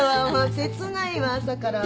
切ないわ朝から。